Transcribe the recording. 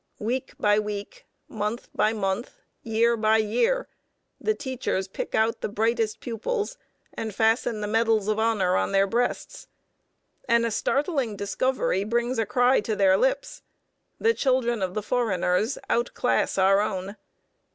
Week by week, month by month, year by year, the teachers pick out the brightest pupils and fasten the medals of honor on their breasts; and a startling discovery brings a cry to their lips: the children of the foreigners outclass our own!